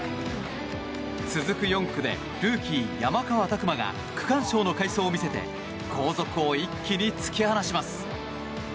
続く４区でルーキー、山川拓馬が区間賞の快走を見せて後続を一気に突き放します。